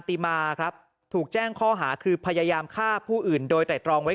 ติมาครับถูกแจ้งข้อหาคือพยายามฆ่าผู้อื่นโดยไตรตรองไว้